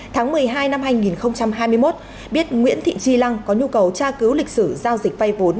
tháng một mươi hai năm hai nghìn hai mươi một biết nguyễn thị chi lăng có nhu cầu tra cứu lịch sử giao dịch vay vốn